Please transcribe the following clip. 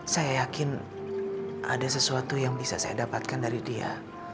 saya yakin ada sesuatu yang bisa saya dapatkan dari dia